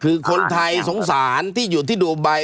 คือคนไทยสงสารที่อยู่ที่ดูไบ